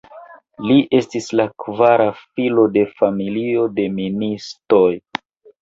Li estis la kvara filo de familio de ministoj.